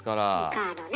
カードね。